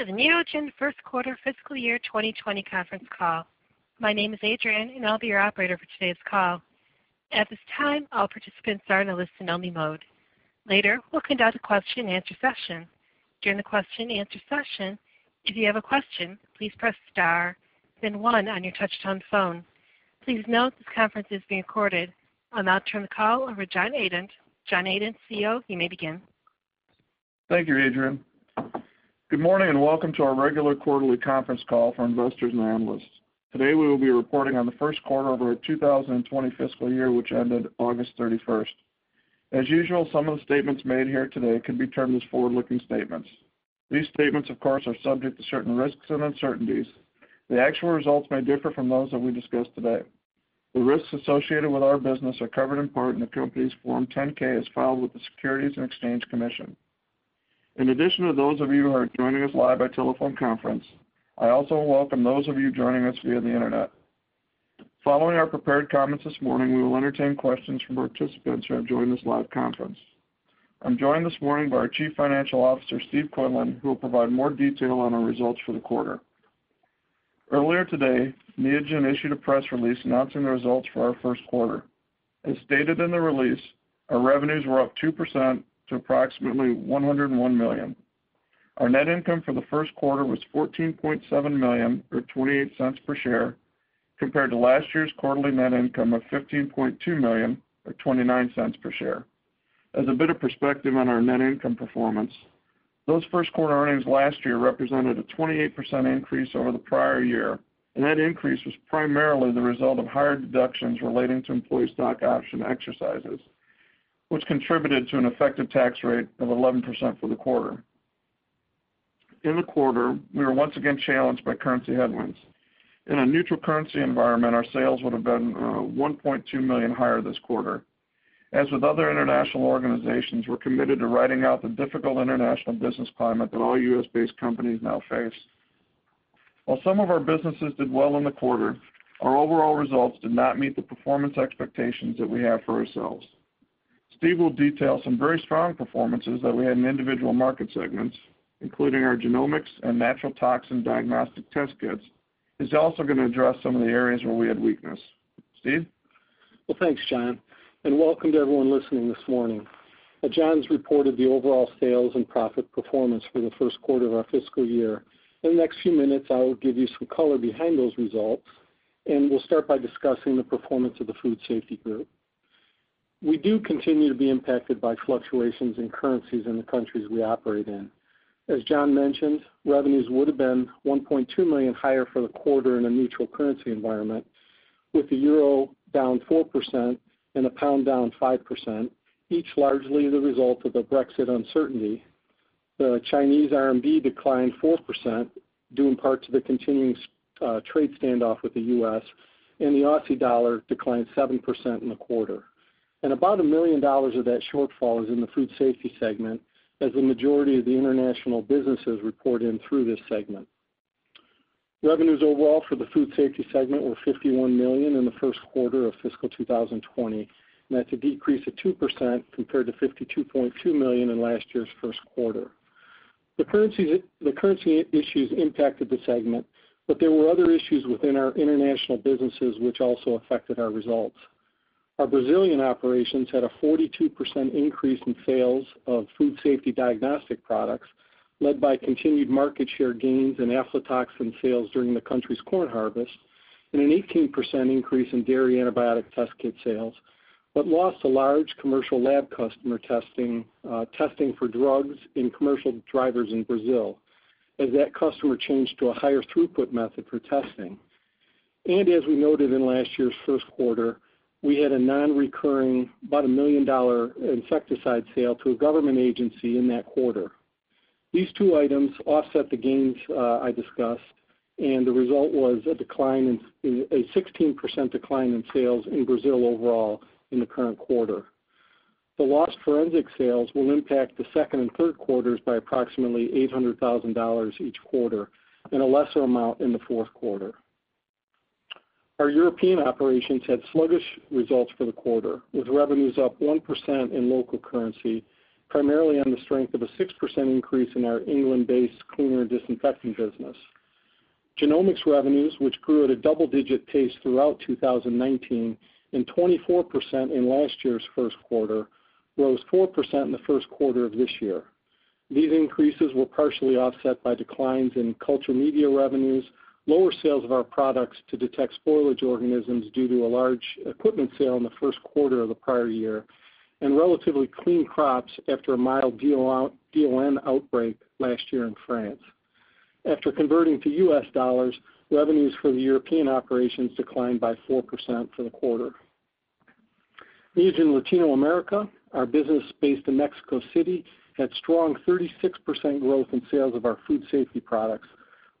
Welcome to the Neogen First Quarter Fiscal Year 2020 Conference Call. My name is Adrian, and I'll be your operator for today's call. At this time, all participants are in a listen-only mode. Later, we'll conduct a question and answer session. During the question and answer session, if you have a question, please press star then one on your touch-tone phone. Please note this conference is being recorded. I'll now turn the call over John Adent. John Adent, CEO, you may begin. Thank you, Adrian. Good morning and welcome to our regular quarterly conference call for investors and analysts. Today, we will be reporting on the first quarter of our 2020 fiscal year, which ended August 31st. As usual, some of the statements made here today can be termed as forward-looking statements. These statements, of course, are subject to certain risks and uncertainties. The actual results may differ from those that we discuss today. The risks associated with our business are covered in part in the company's Form 10-K, as filed with the Securities and Exchange Commission. In addition to those of you who are joining us live by telephone conference, I also welcome those of you joining us via the internet. Following our prepared comments this morning, we will entertain questions from participants who have joined this live conference. I'm joined this morning by our Chief Financial Officer, Steven Quinlan, who will provide more detail on our results for the quarter. Earlier today, Neogen issued a press release announcing the results for our first quarter. As stated in the release, our revenues were up 2% to approximately $101 million. Our net income for the first quarter was $14.7 million, or $0.28 per share, compared to last year's quarterly net income of $15.2 million, or $0.29 per share. As a bit of perspective on our net income performance, those first-quarter earnings last year represented a 28% increase over the prior year, and that increase was primarily the result of higher deductions relating to employee stock option exercises, which contributed to an effective tax rate of 11% for the quarter. In the quarter, we were once again challenged by currency headwinds. In a neutral currency environment, our sales would've been $1.2 million higher this quarter. As with other international organizations, we're committed to riding out the difficult international business climate that all U.S.-based companies now face. While some of our businesses did well in the quarter, our overall results did not meet the performance expectations that we have for ourselves. Steve will detail some very strong performances that we had in individual market segments, including our genomics and natural toxin diagnostic test kits. He's also going to address some of the areas where we had weakness. Steve? Well, thanks, John, and welcome to everyone listening this morning. As John's reported the overall sales and profit performance for the first quarter of our fiscal year, in the next few minutes, I will give you some color behind those results, and we'll start by discussing the performance of the Food Safety group. We do continue to be impacted by fluctuations in currencies in the countries we operate in. As John mentioned, revenues would've been $1.2 million higher for the quarter in a neutral currency environment, with the EUR down 4% and the GBP down 5%, each largely the result of the Brexit uncertainty. The Chinese RMB declined 4%, due in part to the continuing trade standoff with the U.S., and the AUD declined 7% in the quarter. About $1 million of that shortfall is in the Food Safety segment, as the majority of the international businesses report in through this segment. Revenues overall for the Food Safety segment were $51 million in the first quarter of fiscal 2020, and that's a decrease of 2% compared to $52.2 million in last year's first quarter. The currency issues impacted the segment, but there were other issues within our international businesses which also affected our results. Our Brazilian operations had a 42% increase in sales of food safety diagnostic products, led by continued market share gains in aflatoxin sales during the country's corn harvest, and an 18% increase in dairy antibiotic test kit sales, but lost a large commercial lab customer testing for drugs in commercial drivers in Brazil, as that customer changed to a higher throughput method for testing. As we noted in last year's first quarter, we had a non-recurring, about a million-dollar insecticide sale to a government agency in that quarter. These two items offset the gains I discussed, and the result was a 16% decline in sales in Brazil overall in the current quarter. The lost forensic sales will impact the second and third quarters by approximately $800,000 each quarter, and a lesser amount in the fourth quarter. Our European operations had sluggish results for the quarter, with revenues up 1% in local currency, primarily on the strength of a 6% increase in our England-based cleaner and disinfectant business. genomics revenues, which grew at a double-digit pace throughout 2019 and 24% in last year's first quarter, rose 4% in the first quarter of this year. These increases were partially offset by declines in culture media revenues, lower sales of our products to detect spoilage organisms due to a large equipment sale in the first quarter of the prior year, and relatively clean crops after a mild DON outbreak last year in France. After converting to U.S. dollars, revenues for the European operations declined by 4% for the quarter. Neogen Latinoamerica, our business based in Mexico City, had strong 36% growth in sales of our food safety products,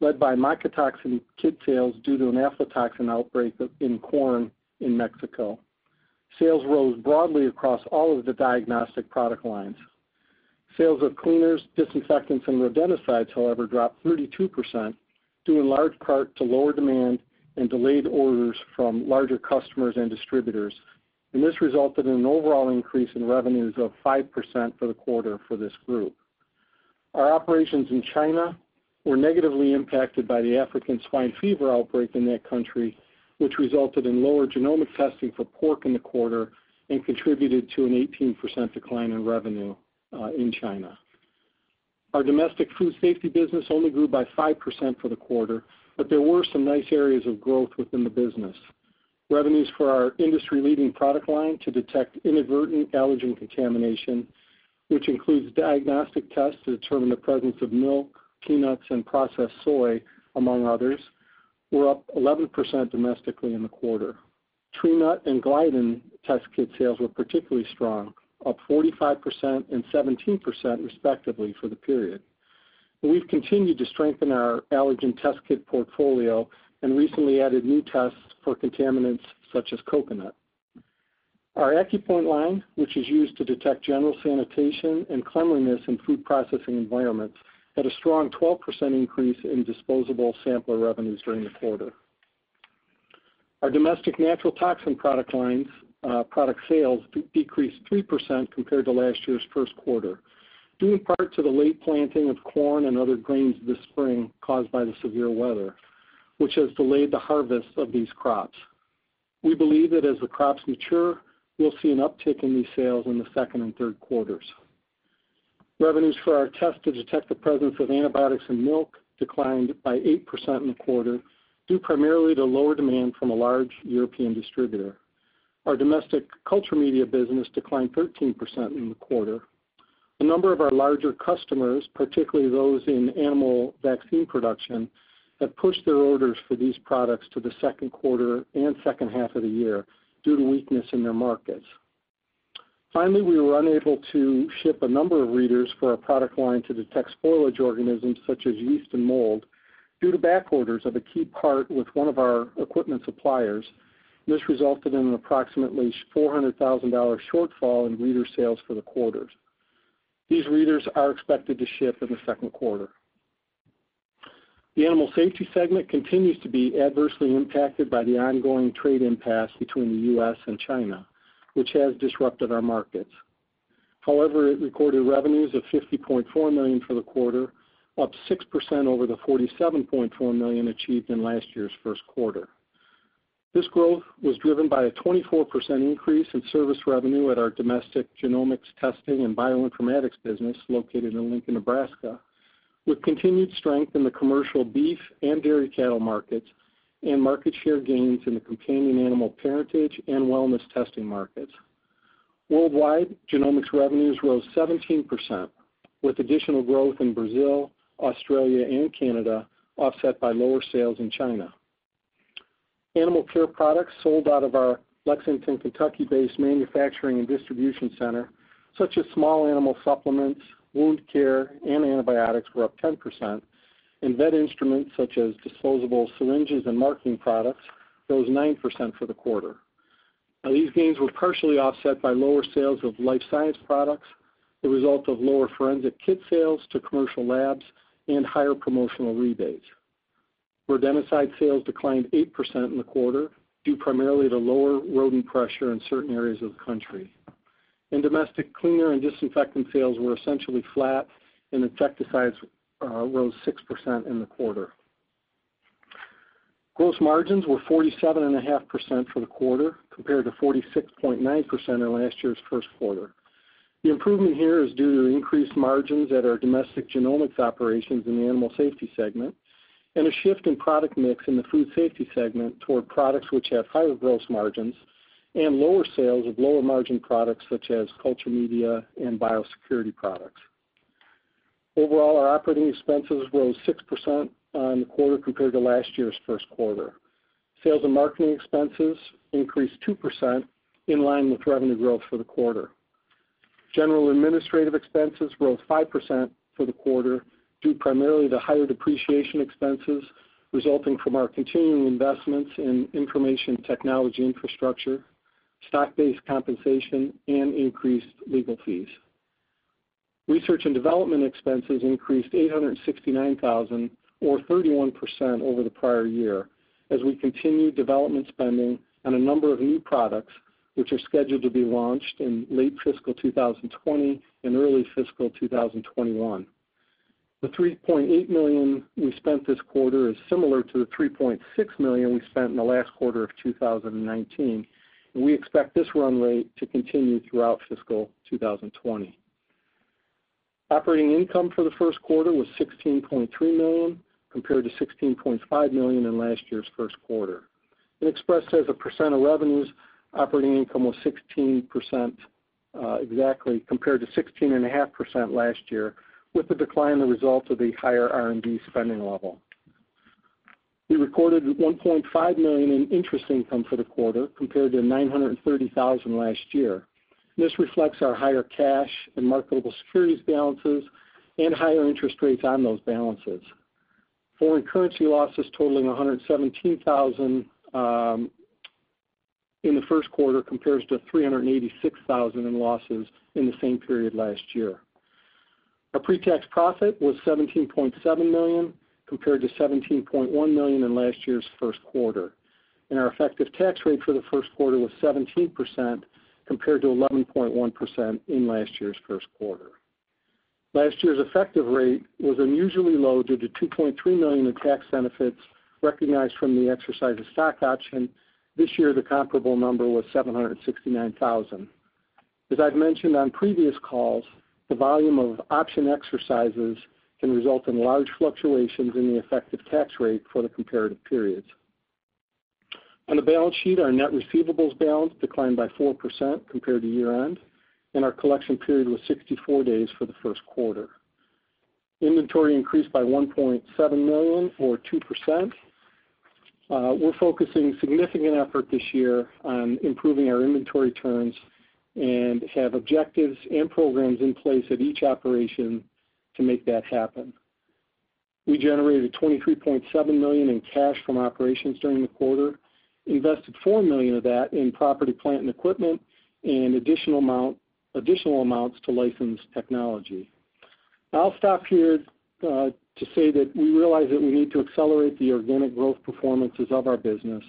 led by mycotoxin kit sales due to an aflatoxin outbreak in corn in Mexico. Sales rose broadly across all of the diagnostic product lines. Sales of cleaners, disinfectants, and rodenticides, however, dropped 32%. Due in large part to lower demand and delayed orders from larger customers and distributors. This resulted in an overall increase in revenues of 5% for the quarter for this group. Our operations in China were negatively impacted by the African swine fever outbreak in that country, which resulted in lower genomic testing for pork in the quarter and contributed to an 18% decline in revenue in China. Our domestic food safety business only grew by 5% for the quarter, but there were some nice areas of growth within the business. Revenues for our industry-leading product line to detect inadvertent allergen contamination, which includes diagnostic tests to determine the presence of milk, peanuts, and processed soy, among others, were up 11% domestically in the quarter. Tree nut and gliadin test kit sales were particularly strong, up 45% and 17%, respectively, for the period. We've continued to strengthen our allergen test kit portfolio and recently added new tests for contaminants such as coconut. Our AccuPoint line, which is used to detect general sanitation and cleanliness in food processing environments, had a strong 12% increase in disposable sampler revenues during the quarter. Our domestic natural toxin product sales decreased 3% compared to last year's first quarter, due in part to the late planting of corn and other grains this spring caused by the severe weather, which has delayed the harvest of these crops. We believe that as the crops mature, we'll see an uptick in these sales in the second and third quarters. Revenues for our test to detect the presence of antibiotics in milk declined by 8% in the quarter, due primarily to lower demand from a large European distributor. Our domestic culture media business declined 13% in the quarter. A number of our larger customers, particularly those in animal vaccine production, have pushed their orders for these products to the second quarter and second half of the year due to weakness in their markets. Finally, we were unable to ship a number of readers for our product line to detect spoilage organisms such as yeast and mold due to back orders of a key part with one of our equipment suppliers. This resulted in an approximately $400,000 shortfall in reader sales for the quarter. These readers are expected to ship in the second quarter. The animal safety segment continues to be adversely impacted by the ongoing trade impasse between the U.S. and China, which has disrupted our markets. It recorded revenues of $50.4 million for the quarter, up 6% over the $47.4 million achieved in last year's first quarter. This growth was driven by a 24% increase in service revenue at our domestic genomics testing and bioinformatics business located in Lincoln, Nebraska, with continued strength in the commercial beef and dairy cattle markets, and market share gains in the companion animal parentage and wellness testing markets. Worldwide, genomics revenues rose 17%, with additional growth in Brazil, Australia, and Canada, offset by lower sales in China. Animal care products sold out of our Lexington, Kentucky-based manufacturing and distribution center, such as small animal supplements, wound care, and antibiotics, were up 10%, and vet instruments, such as disposable syringes and marking products, rose 9% for the quarter. These gains were partially offset by lower sales of life science products, the result of lower forensic kit sales to commercial labs and higher promotional rebates. Rodenticide sales declined 8% in the quarter, due primarily to lower rodent pressure in certain areas of the country. Domestic cleaner and disinfectant sales were essentially flat, and insecticides rose 6% in the quarter. Gross margins were 47.5% for the quarter, compared to 46.9% in last year's first quarter. The improvement here is due to increased margins at our domestic genomics operations in the Animal Safety Segment, and a shift in product mix in the Food Safety Segment toward products which have higher gross margins and lower sales of lower margin products such as culture media and biosecurity products. Overall, our operating expenses rose 6% on the quarter compared to last year's first quarter. Sales and marketing expenses increased 2%, in line with revenue growth for the quarter. General administrative expenses rose 5% for the quarter, due primarily to higher depreciation expenses resulting from our continuing investments in information technology infrastructure, stock-based compensation, and increased legal fees. Research and development expenses increased $869,000 or 31% over the prior year as we continued development spending on a number of new products, which are scheduled to be launched in late fiscal 2020 and early fiscal 2021. The $3.8 million we spent this quarter is similar to the $3.6 million we spent in the last quarter of 2019, and we expect this run rate to continue throughout fiscal 2020. Operating income for the first quarter was $16.3 million, compared to $16.5 million in last year's first quarter, and expressed as a percent of revenues, operating income was 16% exactly, compared to 16.5% last year, with the decline the result of the higher R&D spending level. We recorded $1.5 million in interest income for the quarter, compared to $930,000 last year. This reflects our higher cash and marketable securities balances and higher interest rates on those balances. Foreign currency losses totaling $117,000 in the first quarter compares to $386,000 in losses in the same period last year. Our pre-tax profit was $17.7 million, compared to $17.1 million in last year's first quarter. Our effective tax rate for the first quarter was 17%, compared to 11.1% in last year's first quarter. Last year's effective rate was unusually low due to $2.3 million in tax benefits recognized from the exercise of stock option. This year, the comparable number was $769,000. As I've mentioned on previous calls, the volume of option exercises can result in large fluctuations in the effective tax rate for the comparative periods. On the balance sheet, our net receivables balance declined by 4% compared to year-end, and our collection period was 64 days for the first quarter. Inventory increased by $1.7 million or 2%. We're focusing significant effort this year on improving our inventory turns and have objectives and programs in place at each operation to make that happen. We generated $23.7 million in cash from operations during the quarter, invested $4 million of that in property, plant, and equipment, and additional amounts to license technology. I'll stop here to say that we realize that we need to accelerate the organic growth performances of our business.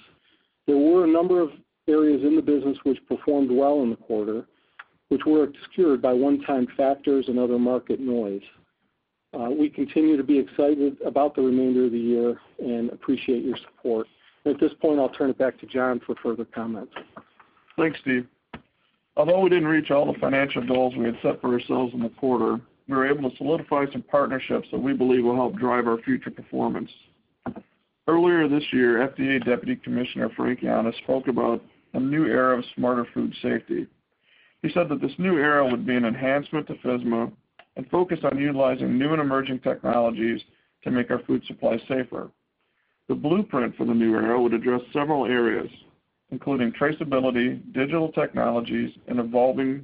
There were a number of areas in the business which performed well in the quarter, which were obscured by one-time factors and other market noise. We continue to be excited about the remainder of the year and appreciate your support. At this point, I'll turn it back to John for further comments. Thanks, Steve. Although we didn't reach all the financial goals we had set for ourselves in the quarter, we were able to solidify some partnerships that we believe will help drive our future performance. Earlier this year, FDA Deputy Commissioner Frank Yiannas spoke about a new era of smarter food safety. He said that this new era would be an enhancement to FSMA and focus on utilizing new and emerging technologies to make our food supply safer. The blueprint for the new era would address several areas, including traceability, digital technologies, and evolving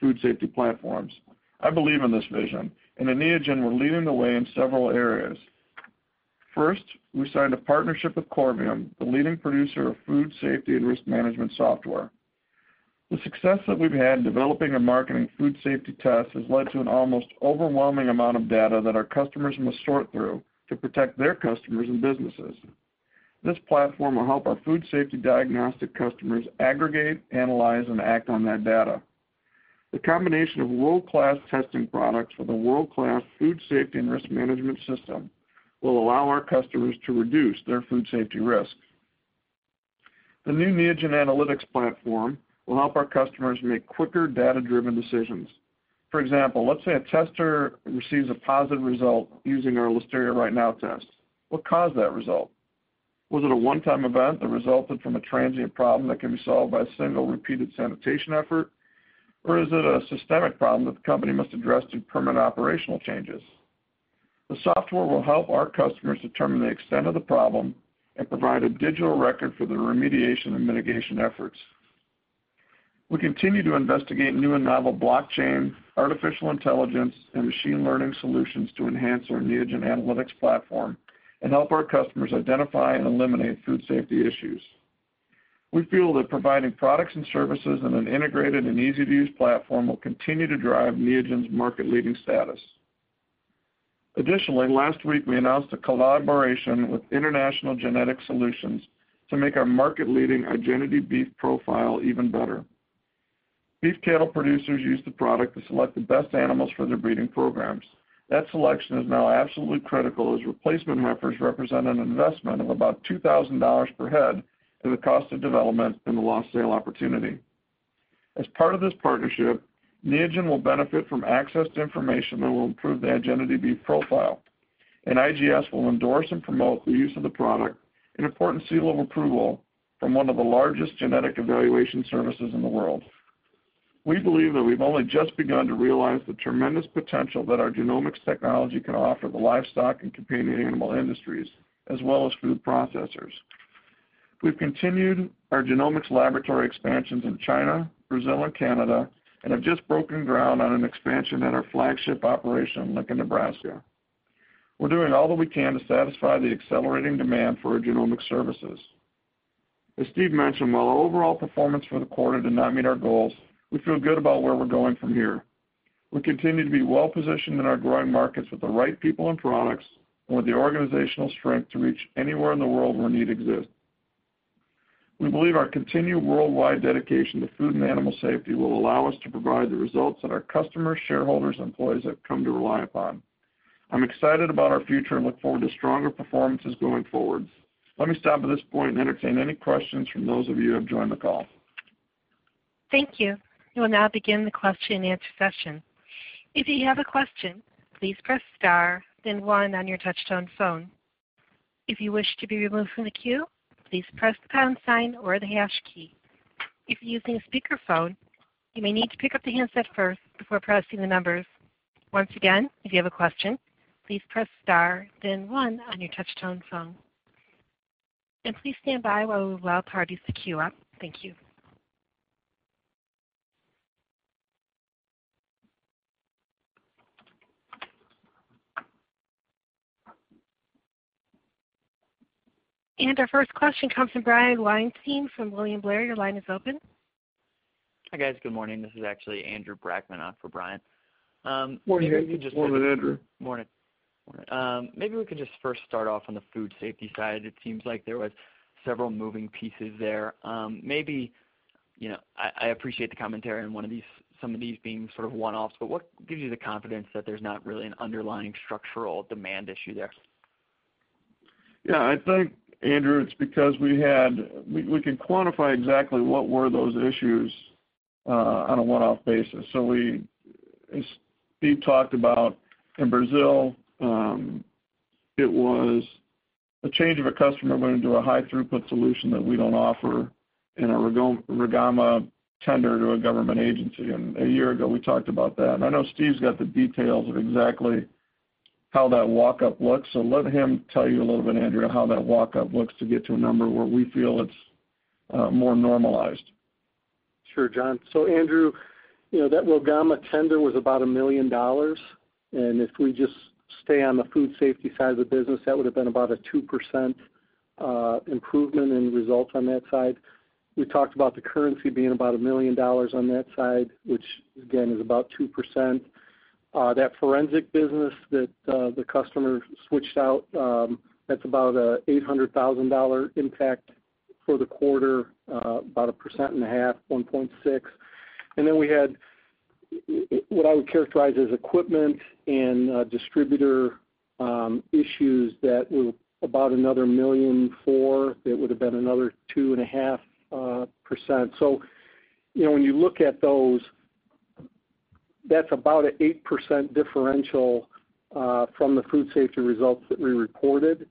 food safety platforms. I believe in this vision. At Neogen, we're leading the way in several areas. First, we signed a partnership with Corvium, the leading producer of food safety and risk management software. The success that we've had in developing and marketing food safety tests has led to an almost overwhelming amount of data that our customers must sort through to protect their customers and businesses. This platform will help our food safety diagnostic customers aggregate, analyze, and act on that data. The combination of world-class testing products with a world-class food safety and risk management system will allow our customers to reduce their food safety risk. The new Neogen Analytics platform will help our customers make quicker data-driven decisions. For example, let's say a tester receives a positive result using our Listeria Right Now test. What caused that result? Was it a one-time event that resulted from a transient problem that can be solved by a single repeated sanitation effort? Or is it a systemic problem that the company must address through permanent operational changes? The software will help our customers determine the extent of the problem and provide a digital record for the remediation and mitigation efforts. We continue to investigate new and novel blockchain, artificial intelligence, and machine learning solutions to enhance our Neogen Analytics platform and help our customers identify and eliminate food safety issues. We feel that providing products and services in an integrated and easy-to-use platform will continue to drive Neogen's market-leading status. Last week, we announced a collaboration with International Genetic Solutions to make our market-leading Igenity Beef Profile even better. Beef cattle producers use the product to select the best animals for their breeding programs. That selection is now absolutely critical as replacement heifers represent an investment of about $2,000 per head through the cost of development and the lost sale opportunity. As part of this partnership, Neogen will benefit from access to information that will improve the Igenity Beef Profile. IGS will endorse and promote the use of the product, an important seal of approval from one of the largest genetic evaluation services in the world. We believe that we've only just begun to realize the tremendous potential that our genomics technology can offer the livestock and companion animal industries, as well as food processors. We've continued our genomics laboratory expansions in China, Brazil, and Canada, and have just broken ground on an expansion at our flagship operation in Lincoln, Nebraska. We're doing all that we can to satisfy the accelerating demand for our genomic services. As Steve mentioned, while our overall performance for the quarter did not meet our goals, we feel good about where we're going from here. We continue to be well-positioned in our growing markets with the right people and products and with the organizational strength to reach anywhere in the world where need exists. We believe our continued worldwide dedication to food and animal safety will allow us to provide the results that our customers, shareholders, and employees have come to rely upon. I'm excited about our future and look forward to stronger performances going forward. Let me stop at this point and entertain any questions from those of you who have joined the call. Thank you. We will now begin the question and answer session. If you have a question, please press star, then one on your touchtone phone. If you wish to be removed from the queue, please press the pound sign or the hash key. If you're using a speakerphone, you may need to pick up the handset first before pressing the numbers. Once again, if you have a question, please press star then one on your touchtone phone. Please stand by while we allow parties to queue up. Thank you. Our first question comes from Brian Weinstein from William Blair. Your line is open. Hi, guys. Good morning. This is actually Andrew Brackmann on for Brian. Morning, Andrew. Morning. Maybe we could just first start off on the food safety side. It seems like there was several moving pieces there. I appreciate the commentary on some of these being sort of one-offs, but what gives you the confidence that there's not really an underlying structural demand issue there? Yeah. I think, Andrew, it's because we can quantify exactly what were those issues on a one-off basis. As Steve talked about, in Brazil, it was a change of a customer going to a high throughput solution that we don't offer in a Rogama tender to a government agency. A year ago, we talked about that, and I know Steve's got the details of exactly how that walk-up looks. Let him tell you a little bit, Andrew, how that walk-up looks to get to a number where we feel it's more normalized. Sure, John. Andrew, that Rogama tender was about $1 million, and if we just stay on the food safety side of the business, that would've been about a 2% improvement in results on that side. We talked about the currency being about $1 million on that side, which again, is about 2%. That forensic business that the customer switched out, that's about a $800,000 impact for the quarter, about 1.5%, 1.6%. Then we had what I would characterize as equipment and distributor issues that were about another $1.4 million. That would've been another 2.5%. When you look at those, that's about an 8% differential from the food safety results that we reported.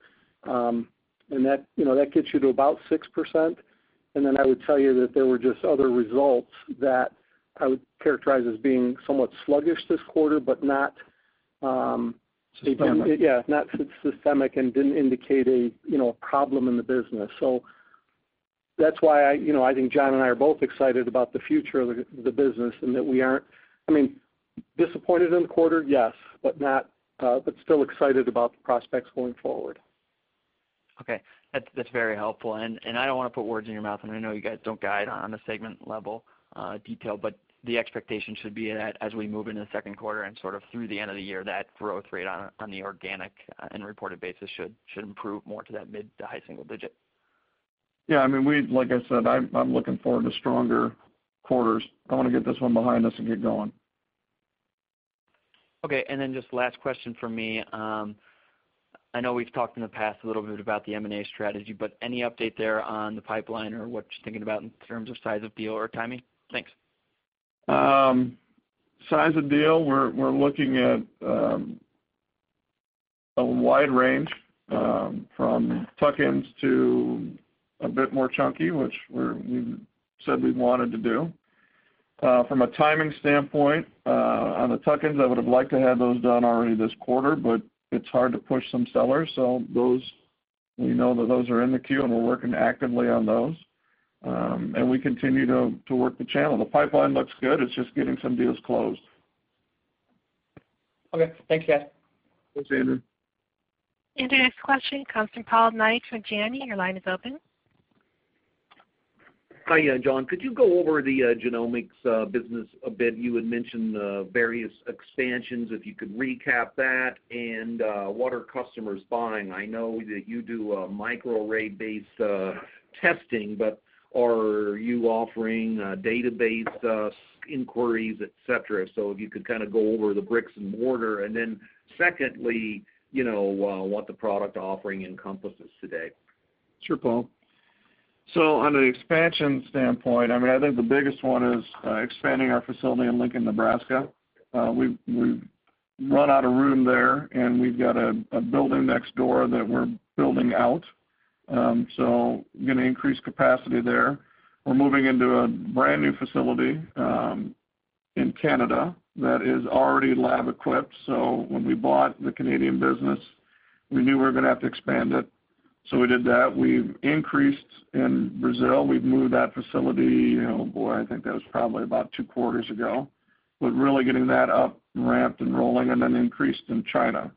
That gets you to about 6%. Then I would tell you that there were just other results that I would characterize as being somewhat sluggish this quarter. Systemic Yeah, not systemic and didn't indicate a problem in the business. That's why I think John and I are both excited about the future of the business and that we aren't disappointed in the quarter, yes, but still excited about the prospects going forward. Okay. That's very helpful. I don't want to put words in your mouth, and I know you guys don't guide on the segment level detail, but the expectation should be that as we move into the second quarter and sort of through the end of the year, that growth rate on the organic and reported basis should improve more to that mid to high single digit. Yeah. Like I said, I'm looking forward to stronger quarters. I want to get this one behind us and get going. Okay, just last question from me. I know we've talked in the past a little bit about the M&A strategy, any update there on the pipeline or what you're thinking about in terms of size of deal or timing? Thanks. Size of deal, we're looking at a wide range from tuck-ins to a bit more chunky, which we said we wanted to do. From a timing standpoint, on the tuck-ins, I would've liked to have those done already this quarter, but it's hard to push some sellers. Those, we know that those are in the queue, and we're working actively on those. We continue to work the channel. The pipeline looks good. It's just getting some deals closed. Okay, thanks, guys. Thanks, Andrew. Your next question comes from Paul Knight with Janney. Your line is open. Hi, John. Could you go over the genomics business a bit? You had mentioned various expansions, if you could recap that. What are customers buying? I know that you do a microarray-based testing, but are you offering database inquiries, et cetera? If you could kind of go over the bricks and mortar, and then secondly, what the product offering encompasses today. Sure, Paul. On an expansion standpoint, I think the biggest one is expanding our facility in Lincoln, Nebraska. We've run out of room there, and we've got a building next door that we're building out. We're going to increase capacity there. We're moving into a brand-new facility in Canada that is already lab-equipped. When we bought the Canadian business, we knew we were going to have to expand it, so we did that. We've increased in Brazil. We've moved that facility, boy, I think that was probably about two quarters ago. We're really getting that up ramped and rolling, and then increased in China.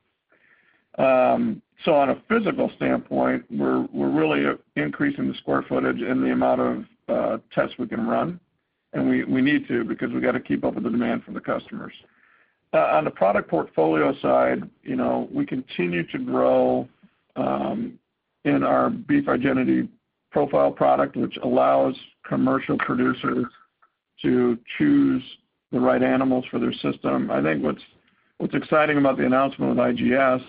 On a physical standpoint, we're really increasing the square footage and the amount of tests we can run. We need to, because we got to keep up with the demand from the customers. On the product portfolio side, we continue to grow in our Igenity Beef Profile product, which allows commercial producers to choose the right animals for their system. I think what's exciting about the announcement with IGS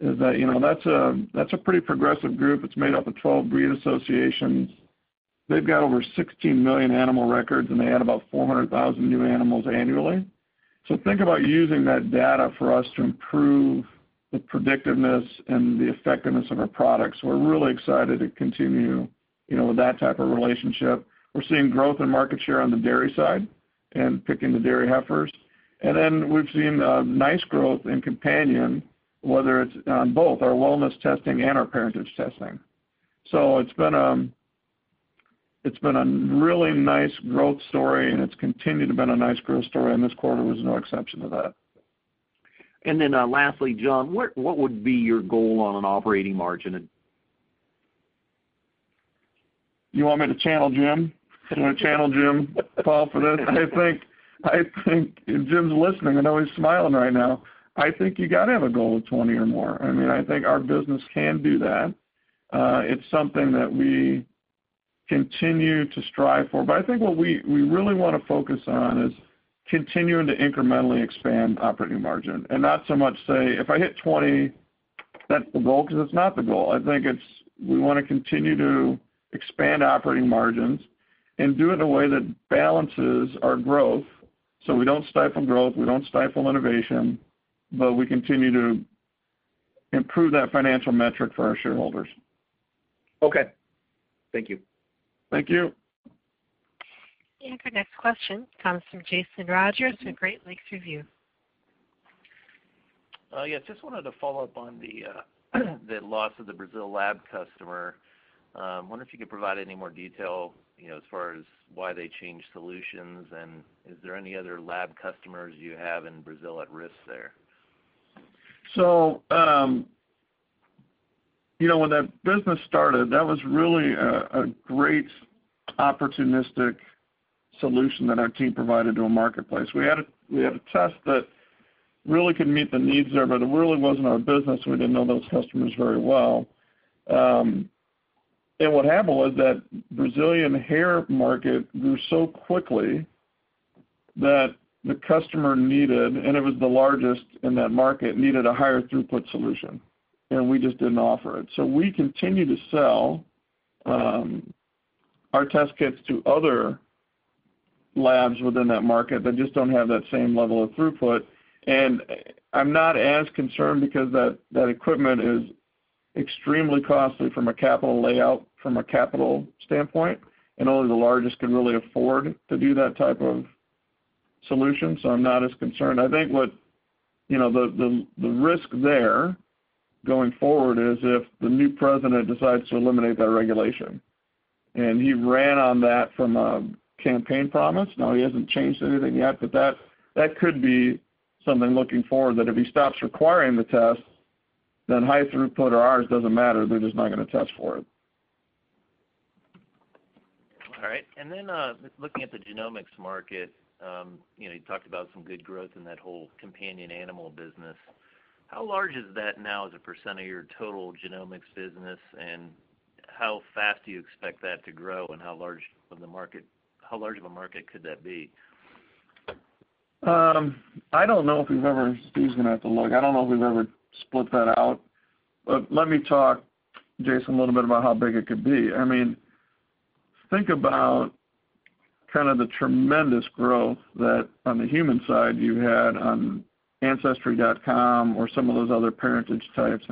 is that that's a pretty progressive group. It's made up of 12 breed associations. They've got over 16 million animal records, and they add about 400,000 new animals annually. Think about using that data for us to improve the predictiveness and the effectiveness of our products. We're really excited to continue with that type of relationship. We're seeing growth in market share on the dairy side and picking the dairy heifers. We've seen nice growth in companion, whether it's on both our wellness testing and our parentage testing. It's been a really nice growth story, and it's continued to be a nice growth story, and this quarter was no exception to that. Lastly, John, what would be your goal on an operating margin? You want me to channel Jim? You want to channel Jim, Paul, for this? I think if Jim's listening, I know he's smiling right now. I think you got to have a goal of 20 or more. I think our business can do that. It's something that we continue to strive for. I think what we really want to focus on is continuing to incrementally expand operating margin and not so much say, "If I hit 20, that's the goal," because it's not the goal. I think we want to continue to expand operating margins and do it in a way that balances our growth so we don't stifle growth, we don't stifle innovation, but we continue to improve that financial metric for our shareholders. Okay. Thank you. Thank you. Our next question comes from Jason Rogers with Great Lakes Review. Yes, just wanted to follow up on the loss of the Brazil lab customer. Wonder if you could provide any more detail as far as why they changed solutions, and is there any other lab customers you have in Brazil at risk there? When that business started, that was really a great opportunistic solution that our team provided to a marketplace. We had a test that really could meet the needs there, but it really wasn't our business. We didn't know those customers very well. What happened was that Brazilian hair market grew so quickly that the customer needed, and it was the largest in that market, needed a higher throughput solution, and we just didn't offer it. We continue to sell our test kits to other labs within that market that just don't have that same level of throughput. I'm not as concerned because that equipment is extremely costly from a capital layout, from a capital standpoint, and only the largest can really afford to do that type of solution. I'm not as concerned. I think the risk there, going forward, is if the new president decides to eliminate that regulation. He ran on that from a campaign promise. Now, he hasn't changed anything yet, that could be something looking forward, that if he stops requiring the test, then high throughput or ours, doesn't matter, they're just not going to test for it. All right. Just looking at the genomics market. You talked about some good growth in that whole companion animal business. How large is that now as a percent of your total genomics business, and how fast do you expect that to grow, and how large of a market could that be? I don't know if we've ever Steve's going to have to look. I don't know if we've ever split that out. Let me talk, Jason, a little bit about how big it could be. Think about the tremendous growth that on the human side you had on Ancestry.com or some of those other parentage types.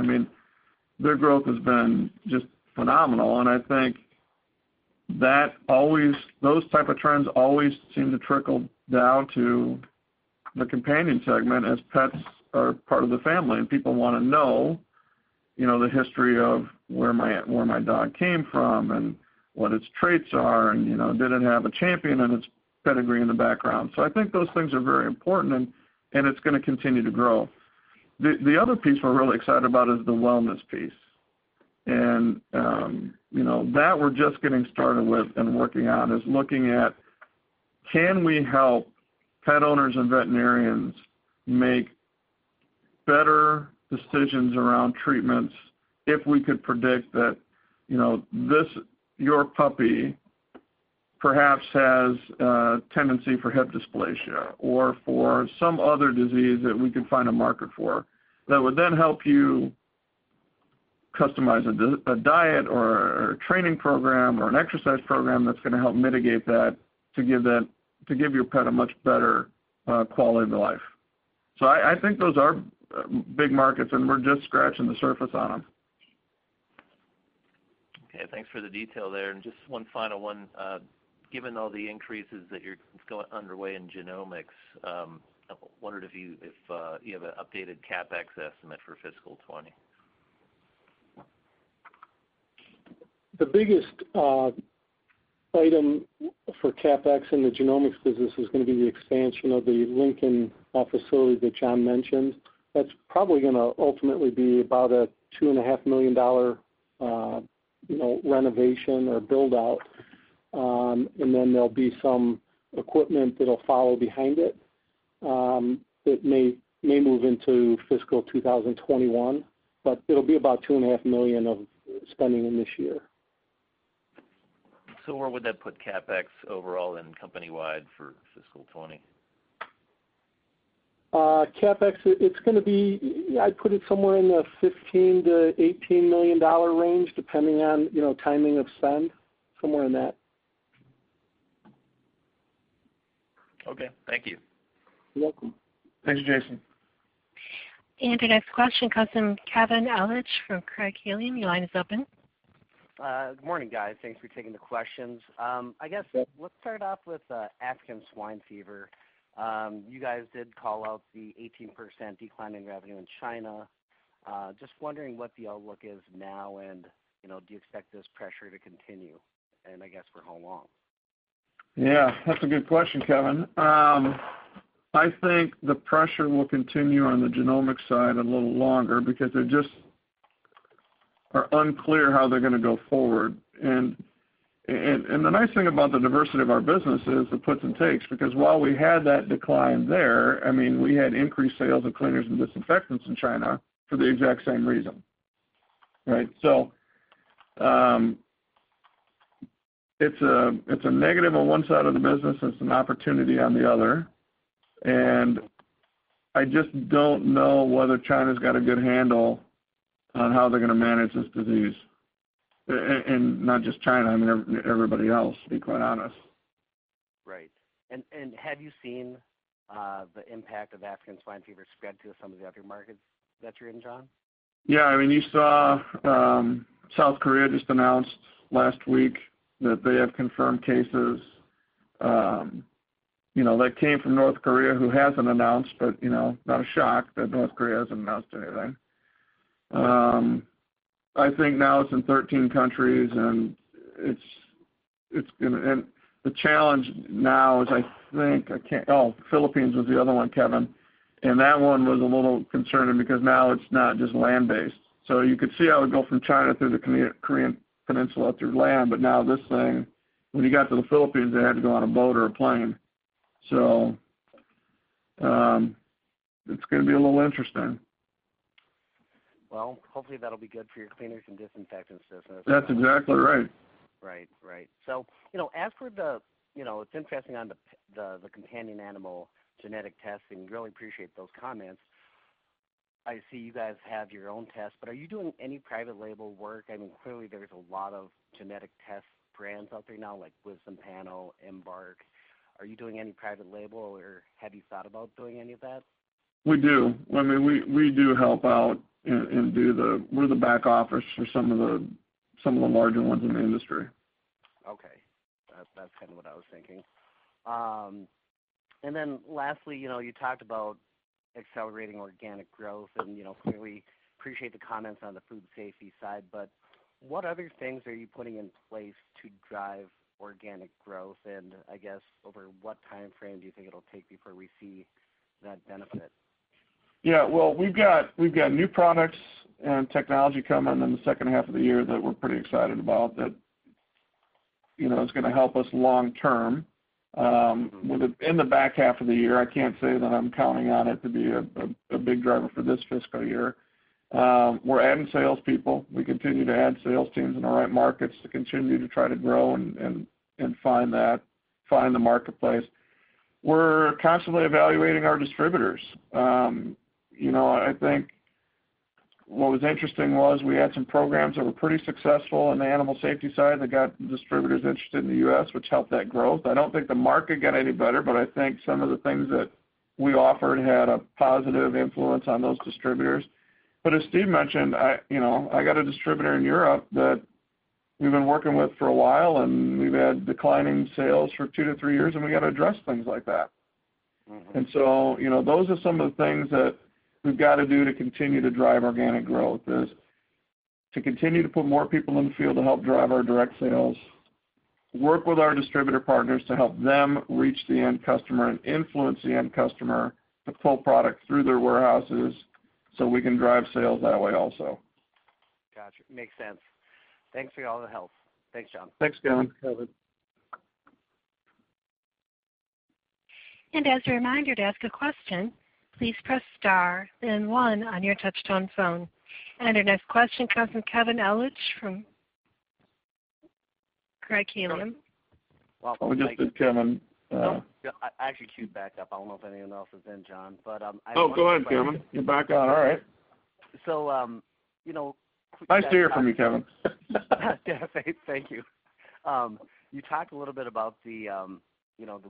Their growth has been just phenomenal, and I think those type of trends always seem to trickle down to the companion segment as pets are part of the family, and people want to know the history of where my dog came from and what its traits are, and did it have a champion in its pedigree in the background? I think those things are very important, and it's going to continue to grow. The other piece we're really excited about is the wellness piece. That we're just getting started with and working on, is looking at can we help pet owners and veterinarians make better decisions around treatments if we could predict that your puppy perhaps has a tendency for hip dysplasia or for some other disease that we could find a market for that would then help you customize a diet or a training program or an exercise program that's going to help mitigate that to give your pet a much better quality of life. I think those are big markets, and we're just scratching the surface on them. Okay, thanks for the detail there. Just one final one. Given all the increases that you're underway in genomics, I wondered if you have an updated CapEx estimate for fiscal 2020. The biggest item for CapEx in the genomics business is going to be the expansion of the Lincoln facility that John mentioned. That's probably going to ultimately be about a $2.5 million renovation or build-out, and then there'll be some equipment that'll follow behind it that may move into fiscal 2021. It'll be about $2.5 million of spending in this year. Where would that put CapEx overall and company-wide for fiscal 2020? CapEx, I'd put it somewhere in the $15 million-$18 million range, depending on timing of spend, somewhere in that. Okay, thank you. You're welcome. Thanks, Jason. Your next question comes from Kevin Ellich from Craig-Hallum. Your line is open. Good morning, guys. Thanks for taking the questions. I guess let's start off with African swine fever. You guys did call out the 18% decline in revenue in China. Just wondering what the outlook is now, and do you expect this pressure to continue? I guess, for how long? Yeah, that's a good question, Kevin. I think the pressure will continue on the genomics side a little longer because they just are unclear how they're going to go forward. The nice thing about the diversity of our business is it puts and takes, because while we had that decline there, we had increased sales of cleaners and disinfectants in China for the exact same reason. Right? It's a negative on one side of the business, it's an opportunity on the other. I just don't know whether China's got a good handle on how they're going to manage this disease. Not just China, I mean everybody else, to be quite honest. Right. Have you seen the impact of African swine fever spread to some of the other markets that you're in, John? Yeah. You saw South Korea just announced last week that they have confirmed cases that came from North Korea who hasn't announced, but not a shock that North Korea hasn't announced anything. I think now it's in 13 countries. The challenge now is, I think, oh, Philippines was the other one, Kevin. That one was a little concerning because now it's not just land-based. You could see how it would go from China through the Korean Peninsula through land. Now this thing, when you got to the Philippines, they had to go on a boat or a plane. It's going to be a little interesting. Well, hopefully that'll be good for your cleaners and disinfectants business. That's exactly right. It's interesting on the companion animal genetic testing. Really appreciate those comments. I see you guys have your own test, but are you doing any private label work? Clearly there's a lot of genetic test brands out there now, like Wisdom Panel, Embark. Are you doing any private label, or have you thought about doing any of that? We do. We do help out, and we're the back office for some of the larger ones in the industry. Okay. That's kind of what I was thinking. Then lastly, you talked about accelerating organic growth, and clearly appreciate the comments on the food safety side, but what other things are you putting in place to drive organic growth? I guess, over what timeframe do you think it'll take before we see that benefit? Yeah. Well, we've got new products and technology coming in the second half of the year that we're pretty excited about that is going to help us long-term. In the back half of the year, I can't say that I'm counting on it to be a big driver for this fiscal year. We're adding salespeople. We continue to add sales teams in the right markets to continue to try to grow and find the marketplace. We're constantly evaluating our distributors. I think what was interesting was we had some programs that were pretty successful in the animal safety side that got distributors interested in the U.S., which helped that growth. I don't think the market got any better, but I think some of the things that we offered had a positive influence on those distributors. As Steve mentioned, I got a distributor in Europe that we've been working with for a while, and we've had declining sales for two to three years, and we got to address things like that. Those are some of the things that we've got to do to continue to drive organic growth, is to continue to put more people in the field to help drive our direct sales, work with our distributor partners to help them reach the end customer and influence the end customer to pull product through their warehouses so we can drive sales that way also. Got you. Makes sense. Thanks for all the help. Thanks, John. Thanks, Kevin. Kevin. As a reminder, to ask a question, please press star then one on your touch-tone phone. Our next question comes from Kevin Ellich from Craig-Hallum. I just did Kevin. Actually, queue back up. I don't know if anyone else is in, John. Oh, go ahead, Kevin. You're back on, all right. So- Nice to hear from you, Kevin. Yeah, thank you. You talked a little bit about the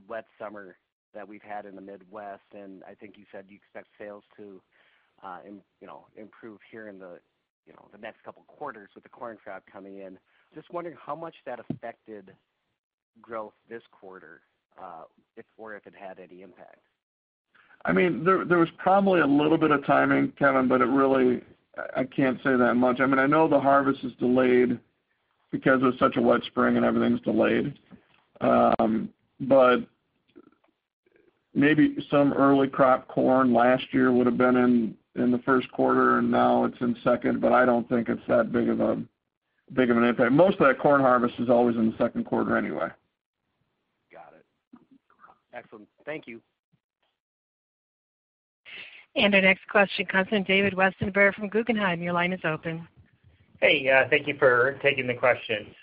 wet summer that we've had in the Midwest, and I think you said you expect sales to improve here in the next couple of quarters with the corn crop coming in. Just wondering how much that affected growth this quarter, or if it had any impact? There was probably a little bit of timing, Kevin, but it really, I can't say that much. I know the harvest is delayed because it was such a wet spring and everything's delayed. Maybe some early crop corn last year would've been in the first quarter, and now it's in second, but I don't think it's that big of an impact. Most of that corn harvest is always in the second quarter anyway. Got it. Excellent. Thank you. Our next question comes from David Westenberg from Guggenheim. Your line is open. Thank you for taking the question.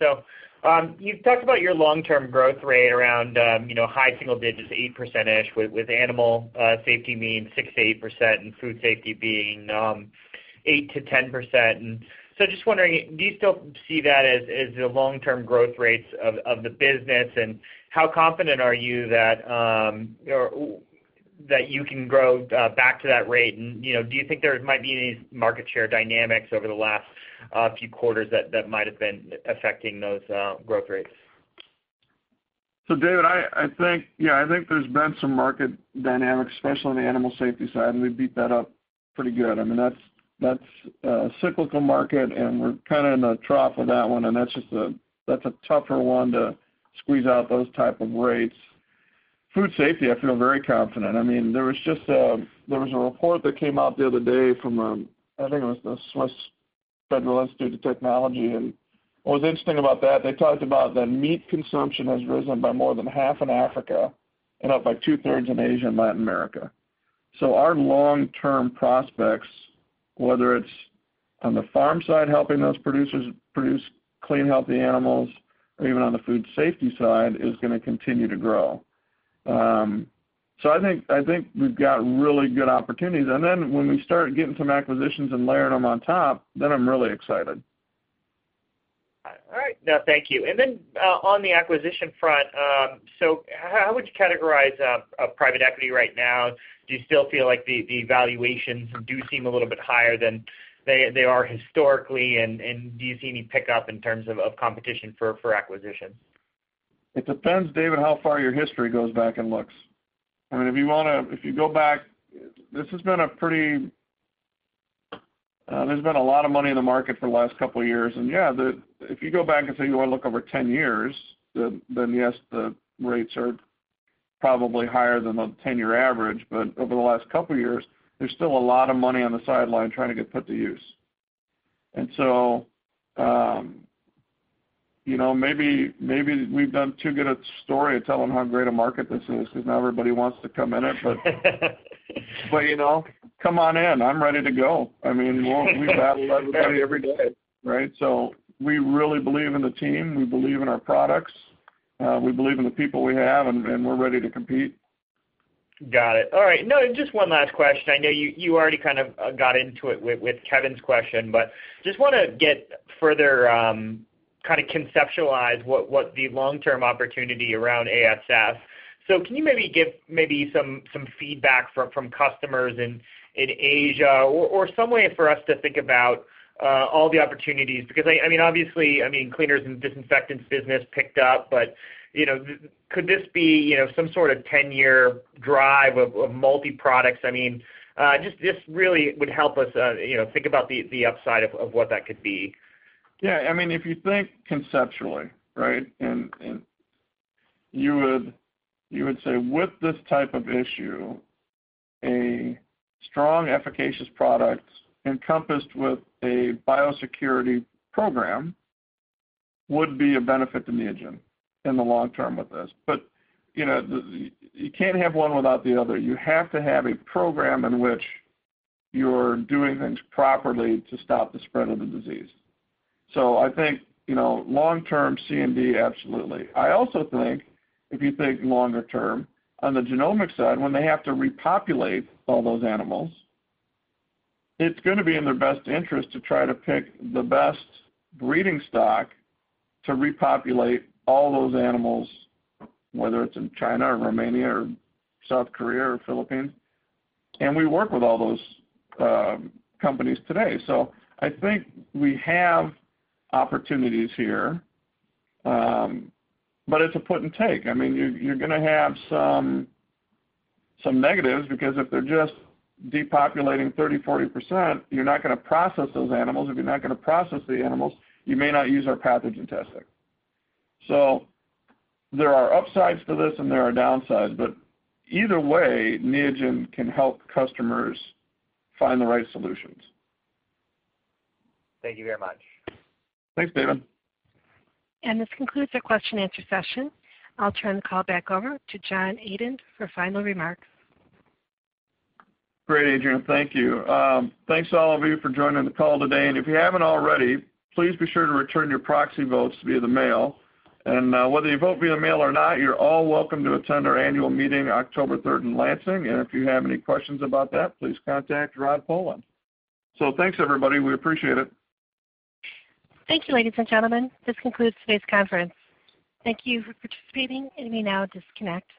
You've talked about your long-term growth rate around high single digits, 8%-ish with animal safety means 6%-8% and food safety being 8%-10%. Just wondering, do you still see that as the long-term growth rates of the business, and how confident are you that you can grow back to that rate? Do you think there might be any market share dynamics over the last few quarters that might have been affecting those growth rates? David, I think there's been some market dynamics, especially on the animal safety side, and we beat that up pretty good. That's a cyclical market, and we're kind of in a trough of that one, and that's a tougher one to squeeze out those type of rates. Food safety, I feel very confident. There was a report that came out the other day from, I think it was the Swiss Federal Institute of Technology. What was interesting about that, they talked about that meat consumption has risen by more than half in Africa and up by two-thirds in Asia and Latin America. Our long-term prospects, whether it's on the farm side, helping those producers produce clean, healthy animals, or even on the food safety side, is going to continue to grow. I think we've got really good opportunities. When we start getting some acquisitions and layering them on top, then I'm really excited. All right. No, thank you. On the acquisition front, how would you categorize private equity right now? Do you still feel like the valuations do seem a little bit higher than they are historically? Do you see any pickup in terms of competition for acquisitions? It depends, David, how far your history goes back and looks. There's been a lot of money in the market for the last couple of years, and yeah, if you go back and say you want to look over 10 years, then yes, the rates are probably higher than the 10-year average. Over the last couple of years, there's still a lot of money on the sideline trying to get put to use. Maybe we've done too good a story of telling how great a market this is, because now everybody wants to come in it. Come on in, I'm ready to go. We battle everybody every day, right? We really believe in the team. We believe in our products. We believe in the people we have, and we're ready to compete. Got it. All right. Just one last question. I know you already kind of got into it with Kevin's question, just want to get further kind of conceptualized what the long-term opportunity around ASF. Can you maybe give some feedback from customers in Asia or some way for us to think about all the opportunities? Obviously, cleaners and disinfectants business picked up, but could this be some sort of 10-year drive of multi-products? Just really would help us think about the upside of what that could be. Yeah. If you think conceptually, right, and you would say with this type of issue, a strong, efficacious product encompassed with a biosecurity program would be of benefit to Neogen in the long term with this. You can't have one without the other. You have to have a program in which you're doing things properly to stop the spread of the disease. I think long-term C and D, absolutely. I also think, if you think longer term, on the genomic side, when they have to repopulate all those animals, it's going to be in their best interest to try to pick the best breeding stock to repopulate all those animals, whether it's in China or Romania or South Korea or Philippines. We work with all those companies today. I think we have opportunities here. It's a put and take. You're going to have some negatives, because if they're just depopulating 30, 40%, you're not going to process those animals. If you're not going to process the animals, you may not use our pathogen testing. There are upsides to this, and there are downsides. Either way, Neogen can help customers find the right solutions. Thank you very much. Thanks, David. This concludes our question and answer session. I'll turn the call back over to John Adent for final remarks. Great, Adrienne. Thank you. Thanks to all of you for joining the call today. If you haven't already, please be sure to return your proxy votes via the mail. Whether you vote via mail or not, you're all welcome to attend our annual meeting October 3rd in Lansing. If you have any questions about that, please contact Rod Poland. Thanks, everybody. We appreciate it. Thank you, ladies and gentlemen. This concludes today's conference. Thank you for participating. You may now disconnect.